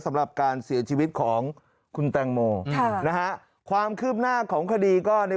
สำหรับการเสียชีวิตของคุณแตงโมค่ะนะฮะความคืบหน้าของคดีก็ใน